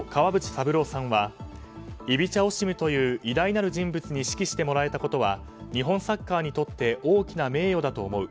三郎さんはイビチャ・オシムという偉大なる人物に指揮してもらえたことは日本サッカーにとって大きな名誉だと思う。